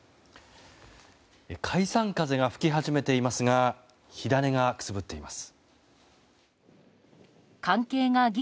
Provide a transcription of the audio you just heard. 解散風が吹き始めていますが火種がくすぶっています。